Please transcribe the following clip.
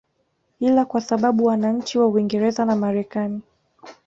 ila kwa sababu wananchi wa Uingereza na Marekani